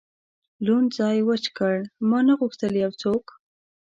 لوند ځای وچ کړ، ما نه غوښتل یو څوک.